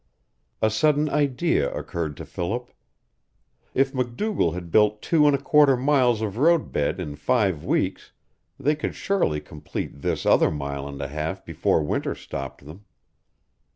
A sudden idea occurred to Philip. If MacDougall had built two and a quarter miles of road bed in five weeks they could surely complete this other mile and a half before winter stopped them.